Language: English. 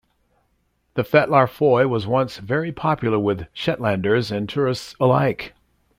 The Fetlar Foy was once very popular with Shetlanders and tourists alike.